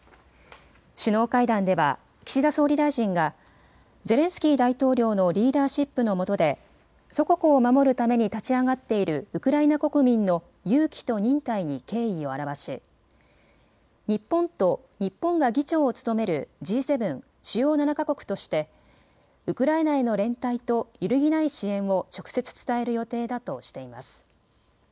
首脳会談では岸田総理大臣がゼレンスキー大統領のリーダーシップのもとで祖国を守るために立ち上がっているウクライナ国民の勇気と忍耐に敬意を表し、日本と日本が議長を務めるＧ７・主要７か国としてウクライナへの連帯と揺るぎない支援を直接伝える予定だとしています。